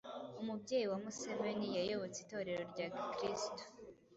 umubyeyi wa Museveni yayobotse itorero rya gikirisitu